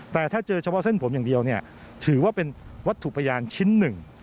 แต่ถ้าเจอเฉพาะเส้นผมอย่างเดียวเนี่ยถือว่าเป็นวัตถุพยานชิ้นหนึ่ง